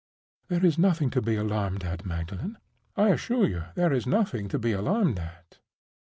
(There is nothing to be alarmed at, Magdalen; I assure you there is nothing to be alarmed at!)